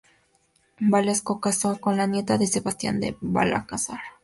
Velasco casó con la nieta de Sebastián de Belalcázar.